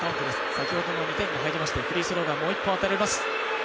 先ほどの２点が入りましてフリースローがもう一本与えられます。